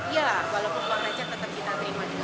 ya walaupun uang receh tetap kita terima juga